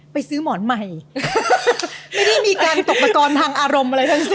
ไปซื้อหมอนใหม่ไม่ได้มีการตกตะกอนทางอารมณ์อะไรทั้งสิ้น